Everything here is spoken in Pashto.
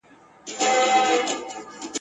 زولنې ځني بيريږي !.